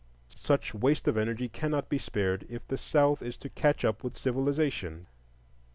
Such waste of energy cannot be spared if the South is to catch up with civilization.